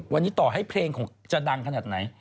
วันนี้ต่อให้เพลงของจะดังขนาดไหน